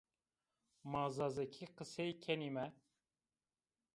Ma zazakî qesey kenîme.